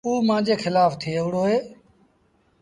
اوٚ مآݩجي کلآڦ ٿئي وهُڙو اهي۔